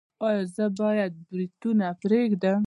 ایا زه باید بروتونه پریږدم؟